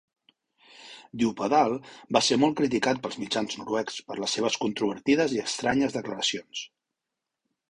Djupedal va ser molt criticat pels mitjans noruecs per les seves controvertides i estranyes declaracions.